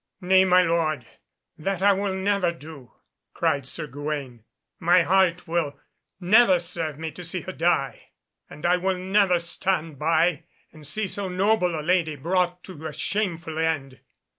"Nay, my lord, that I will never do," cried Sir Gawaine; "my heart will never serve me to see her die, and I will never stand by and see so noble a lady brought to a shameful end."